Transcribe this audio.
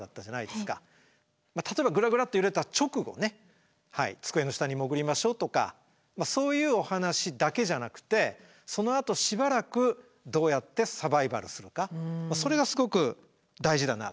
例えばぐらぐらって揺れた直後ね机の下に潜りましょうとかそういうお話だけじゃなくてそのあとしばらくどうやってサバイバルするかそれがすごく大事だなって。